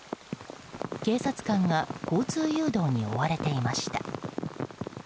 警察官が交通誘導に追われていました。